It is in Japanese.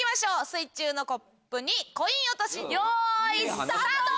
水中のコップにコイン落としよいスタート！